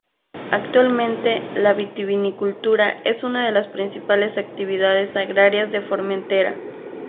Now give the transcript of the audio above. Actualmente, la vitivinicultura es una de las principales actividades agrarias de Formentera.